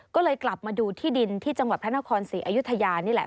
ก็เลยกลับมาดูที่ดินที่จังหวัดพระนครศรีอยุธยานี่แหละ